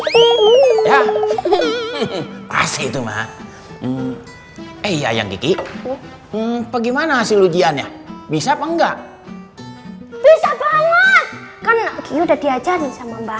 kiki itu mah eh ayam gigi gimana hasil ujiannya bisa enggak bisa banget udah diajarin sama mbak